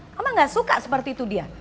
kamu gak suka seperti itu dia